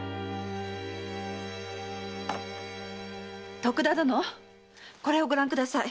徳田殿これをご覧ください。